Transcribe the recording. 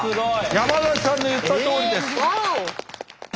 山崎さんの言ったとおりです。